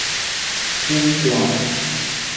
英國